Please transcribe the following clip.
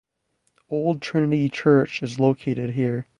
Old Trinity Church is located here.